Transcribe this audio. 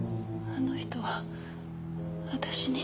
あの人は私に。